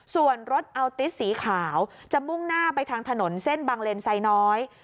ส่วนรถอัลติสสีขาวจะมุ่งหน้าไปทางถนนเส้นบังเลนไซน้อย